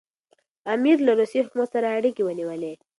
امیر له روسي حکومت سره اړیکي ونیولې.